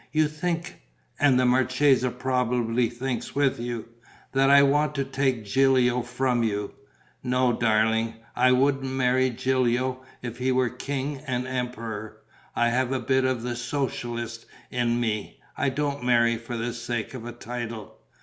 You think and the marchesa probably thinks with you that I want to take Gilio from you? No, darling, I wouldn't marry Gilio if he were king and emperor. I have a bit of the socialist in me: I don't marry for the sake of a title."